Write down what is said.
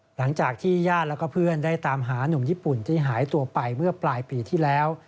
หลังจากที่ญาติแล้วก็เพื่อนได้ตามหานุ่มญี่ปุ่นที่หายตัวไปเมื่อปลายปีที่แล้ว